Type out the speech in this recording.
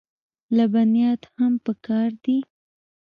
لبنیات هم پکار دي.